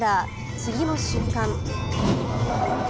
次の瞬間。